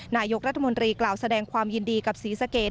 นายกรัฐมนตรีกล่าวแสดงความยินดีกับศรีสะเกด